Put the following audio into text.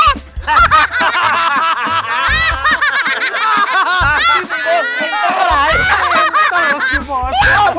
gini bos entah lah entah sih bos